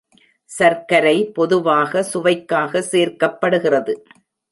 சர்க்கரை பொதுவாக சுவைக்காக சேர்க்கப்படுகிறது.